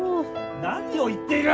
何を言っている！？